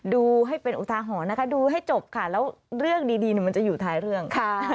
ดูให้เป็นอุทาหรณ์นะคะดูให้จบค่ะแล้วเรื่องดีมันจะอยู่ท้ายเรื่อง